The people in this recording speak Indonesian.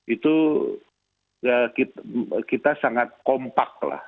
itu kita sangat kompaklah